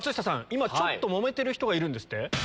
今ちょっと揉めてる人がいるんですって？